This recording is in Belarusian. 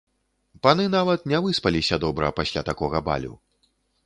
Паны нават не выспаліся добра пасля такога балю.